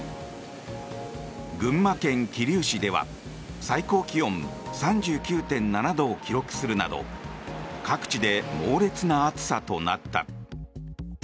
群馬県桐生市では最高気温３９．７度を記録するなど各地で猛烈な暑さとなった。